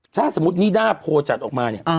ถ้าสมมุตินิด้าโพลจัดออกมาเนี่ย